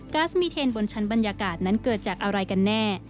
๊สมีเทนบนชั้นบรรยากาศนั้นเกิดจากอะไรกันแน่